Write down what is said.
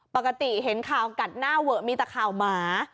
ปกติเห็นข่าวกัดหน้าเวอะมีแต่ข่าวหมา